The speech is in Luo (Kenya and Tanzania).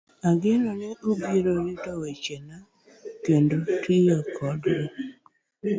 Ageno ni ubiro rito wechena kendo tiyo kodgi.